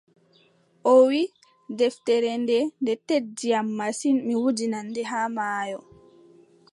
O wiʼi: deftere nde, nde teddi am masin mi wudinan nde haa maayo.